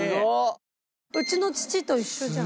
うちの父と一緒じゃん。